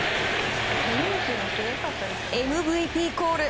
ＭＶＰコール。